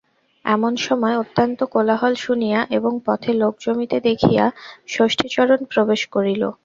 এমন সময় অত্যন্ত কোলাহল শুনিয়া এবং পথে লোক জমিতে দেখিয়া ষষ্ঠীচরণ প্রবেশ করিল।